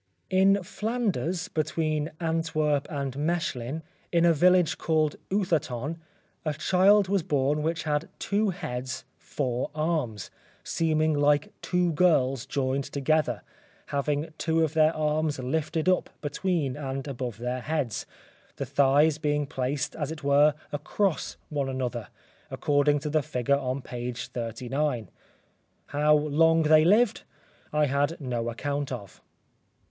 In Flanders, between Antwerp and Mechlin, in a village called Uthaton, a child was born which had two heads, four arms, seeming like two girls joined together, having two of their arms lifted up between and above their heads, the thighs being placed as it were across one another, according to the figure on p. 39. How long they lived I had no account of.